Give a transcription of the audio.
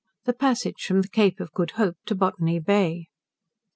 The Passage from the Cape of Good Hope to Botany Bay.